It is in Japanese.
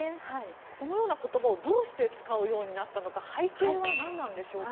このような言葉をどうして使うようになったのか背景は何でしょうか。